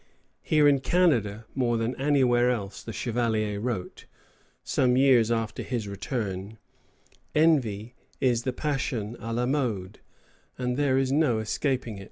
"Here in Canada more than anywhere else," the Chevalier wrote, some years after his return, "envy is the passion à la mode, and there is no escaping it."